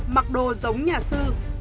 mặc đồ giống nhà sư